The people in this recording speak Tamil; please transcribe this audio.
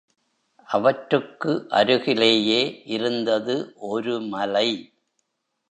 அவற்றுக்கு அருகிலேயே இருந்தது ஒரு மலை.